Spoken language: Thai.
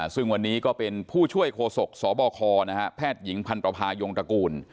ซึ่งวันนี้ก็เป็นผู้ช่วยโคศกสบคนะฮะแพทยิงพันธพายงตระกูล